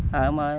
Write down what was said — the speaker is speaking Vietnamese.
ví dụ đó